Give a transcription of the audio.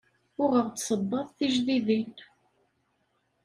Uɣeɣ-d sebbaḍ tijdidin.